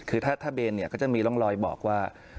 คือถ้าเบนก็จะมีล้องลอยบอกว่า